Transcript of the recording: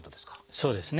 そうですね。